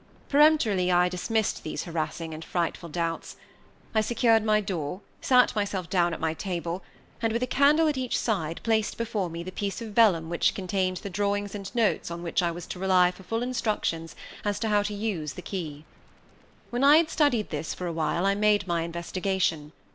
Peremptorily I dismissed these harassing and frightful doubts. I secured my door, sat myself down at my table and, with a candle at each side, placed before me the piece of vellum which contained the drawings and notes on which I was to rely for full instructions as to how to use the key. When I had studied this for awhile I made my investigation.